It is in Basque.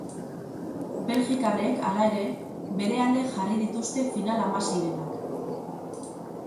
Belgikarrek, hala ere, bere alde jarri dituzte final-hamaseirenak.